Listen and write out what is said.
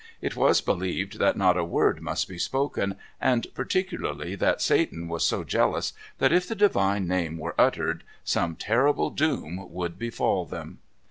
It was believed that not a word must be spoken, and particularly that Satan was so jealous, that if the Divine name were uttered, some terrible doom would befall them.